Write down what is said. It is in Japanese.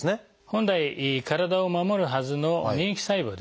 本来体を守るはずの免疫細胞ですね